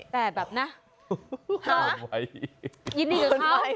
แต่แบบนะฮะยินดีกับเขา